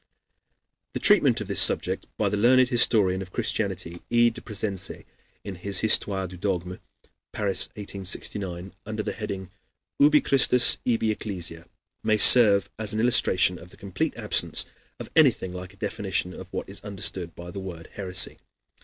The treatment of this subject by the learned historian of Christianity, E. de Pressensé, in his "Histoire du Dogme" (Paris, 1869), under the heading "Ubi Christus, ibi Ecclesia," may serve as an illustration of the complete absence of anything like a definition of what is understood by the word heresy.